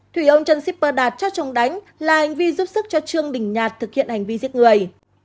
thủy ôm chân shipper đạt cho chồng đánh là hành vi giúp sức cho trương đình nhạt thực hiện hành vi giết người